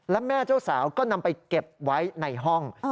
และแม่เจ้าสาวก็นำไปเก็บไว้ในห้อง